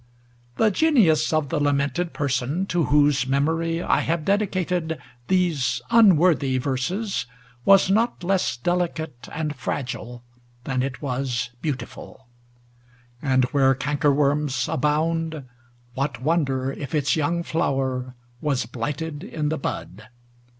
The genius of the lamented person to whose memory I have dedicated these unworthy verses was not less delicate and fragile than it was beautiful ; and where cankerworms abound what wonder if its young flower was blighted in the bud